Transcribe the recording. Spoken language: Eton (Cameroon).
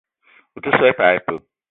Ou te so i pas ipee?